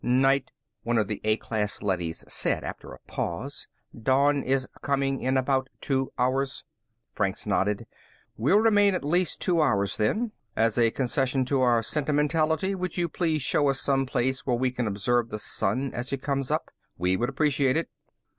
"Night," one of the A class leadys said, after a pause. "Dawn is coming in about two hours." Franks nodded. "We'll remain at least two hours, then. As a concession to our sentimentality, would you please show us some place where we can observe the Sun as it comes up? We would appreciate it."